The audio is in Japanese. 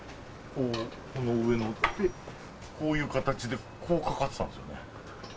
この上に、こういう形で、こうかかってたんですよね。